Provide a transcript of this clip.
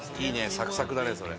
サクサクだね、それ。